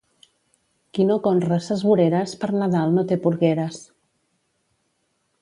Qui no conra ses voreres, per Nadal no té porgueres.